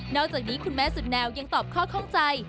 อกจากนี้คุณแม่สุดแนวยังตอบข้อข้องใจ